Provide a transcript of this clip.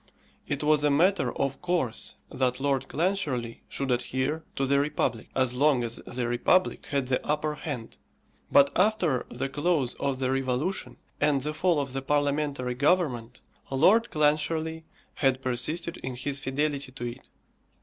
It was a matter of course that Lord Clancharlie should adhere to the republic, as long as the republic had the upper hand; but after the close of the revolution and the fall of the parliamentary government, Lord Clancharlie had persisted in his fidelity to it.